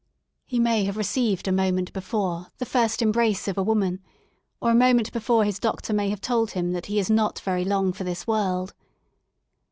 He may have received a moment before the first embrace of a woman, or a moment before his doctor may have told him that he is not very long for this world.